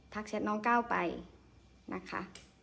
แชทน้องก้าวไปนะคะ